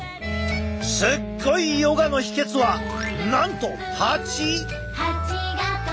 すっごいヨガの秘けつはなんとハチ！？